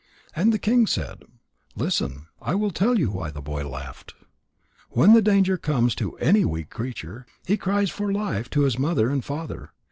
And the king said: "Listen. I will tell you why the boy laughed. When danger comes to any weak creature, he cries for life to his mother and father.